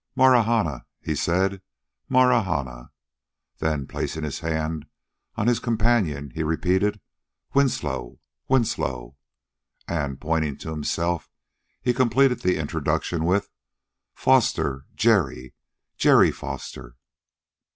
"Marahna," he said. "Marahna!" Then, placing his hand on his companion, he repeated: "Winslow Winslow!" And, pointing to himself, he completed the introduction with: "Foster, Jerry Jerry Foster!"